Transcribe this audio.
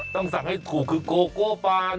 ต้องสั่งให้ถูกคือโกโก้ปาน